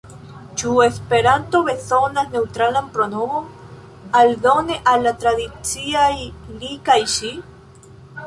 Ĉu Esperanto bezonas neŭtralan pronomon, aldone al la tradiciaj li kaj ŝi?